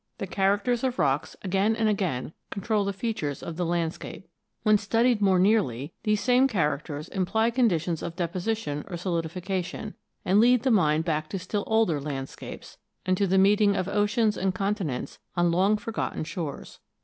The characters of rocks again and again control the features of the landscape. When studied more nearly, these same characters imply conditions of deposition or solidifi cation, and lead the mind back to still older land scapes, and to the meeting of oceans and continents on long forgotten shores.